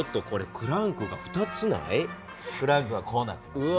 クランクはこうなってますね。